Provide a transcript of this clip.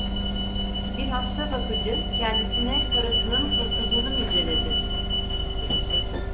Bir hastabakıcı kendisine karısının kurtulduğunu müjdeledi.